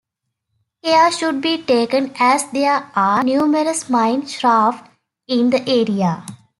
Care should be taken as there are numerous mine shafts in the area.